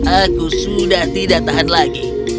aku sudah tidak tahan lagi